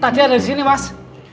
tadi ada di sini mas